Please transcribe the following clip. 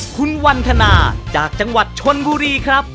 คุณวันธนาจากจังหวัดชนบุรีครับ